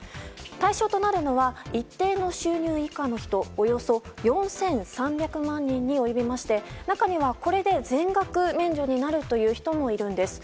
対象となるのは一定の収入以下の人およそ４３００万人に及びまして中にはこれで全額免除になるという人もいるんです。